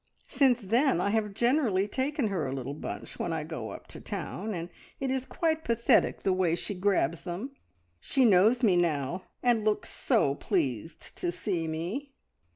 Since then I have generally taken her a little bunch when I go up to town, and it is quite pathetic the way she grabs them. She knows me now, and looks so pleased to see me!"